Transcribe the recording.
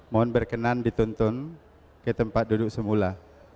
mohon berkenan dituntun ke tempat duduk semula